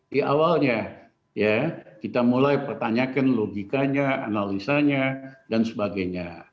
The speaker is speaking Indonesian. di awalnya ya kita mulai pertanyakan logikanya analisanya dan sebagainya